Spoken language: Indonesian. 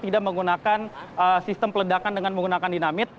tidak menggunakan sistem peledakan dengan menggunakan dinamit